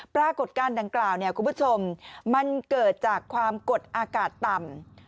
ปรากฏการณ์ดังกล่าวเนี่ยคุณผู้ชมมันเกิดจากความกดอากาศต่ำ